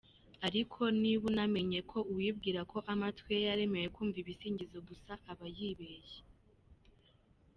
Ariko nibunamenye ko uwibwira ko amatwi ye yaremewe kumva ibisingizo gusa aba yibeshya.